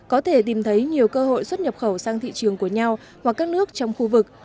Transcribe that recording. có thể tìm thấy nhiều cơ hội xuất nhập khẩu sang thị trường của nhau hoặc các nước trong khu vực